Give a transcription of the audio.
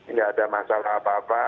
nggak ada masalah apa apa